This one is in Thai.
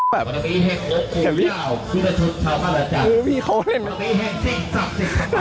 เห็นพี่เพื่อง่าย